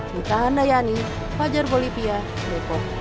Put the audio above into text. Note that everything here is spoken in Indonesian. minta anda yani fajar bolivia repo coba